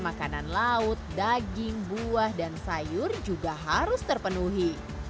makanan laut daging buah dan sayur juga harus terpenuhi